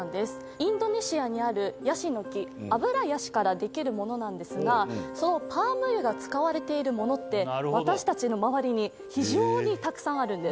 インドネシアにあるヤシの木アブラヤシからできるものなんですがそのパーム油が使われているものって私たちのまわりに非常にたくさんあるんです